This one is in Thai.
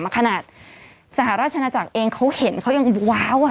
ขนาดสหราชนาจักรเองเขาเห็นเขายังว้าวอ่ะ